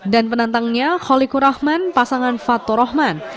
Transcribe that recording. dan penantangnya kholikul rahman pasangan fathur rahman